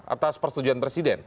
atas persetujuan presiden